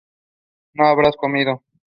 He replaced Mihkel Haus.